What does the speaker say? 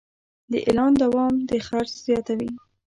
د اعلان دوام د خرڅ زیاتوي.